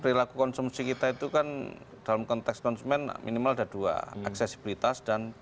perilaku konsumsi kita itu kan dalam konteks konsumen minimal ada dua aksesibilitas dan